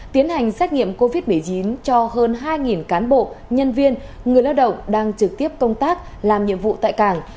tiến hành xét nghiệm covid một mươi chín cho hơn hai cán bộ nhân viên người lao động đang trực tiếp công tác làm nhiệm vụ tại cảng